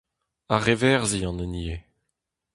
Ar Reverzhi an hini eo.